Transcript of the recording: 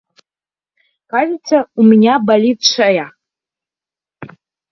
Кажется, у меня болит шея...